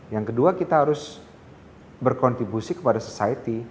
yang kedua kita harus berkontribusi kepada society